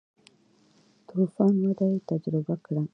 تو فان وده یې تجربه کړه.